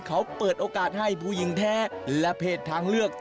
เขาเปิดโอกาสให้ผู้หญิงแท้และเพศทางเลือก